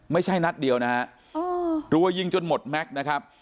ไม่ใช่นัดเดียวนะฮะรัวยิงจนหมดแม็กซ์นะครับ